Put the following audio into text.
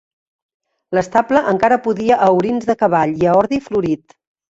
L'estable encara pudia a orins de cavall i a ordi florit